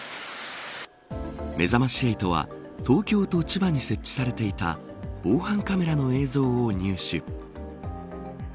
めざまし８は東京と千葉に設置されていた防犯カメラの映像を入手。